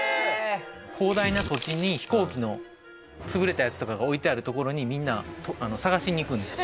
広大な土地に飛行機の潰れたやつとかが置いてある所にみんな探しに行くんです。